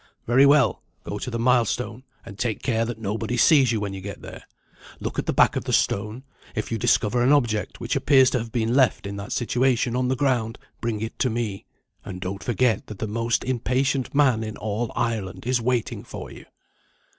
"Very well. Go to the milestone, and take care that nobody sees you when you get there. Look at the back of the stone. If you discover an Object which appears to have been left in that situation on the ground, bring it to me; and don't forget that the most impatient man in all Ireland is waiting for you."